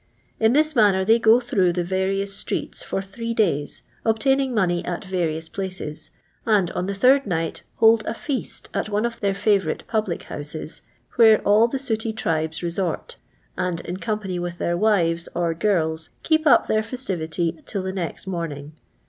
In this manner they go through the various streets for three days, obtaining money at various places, and on the third night hold a foast at one of thmr fiivourite public houset, where all the sooty tribes resort, and, in company with their wives or girls, keep up their festivity till th« next morning.